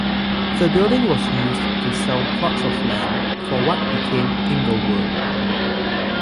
The building was used to sell plots of land for what became Inglewood.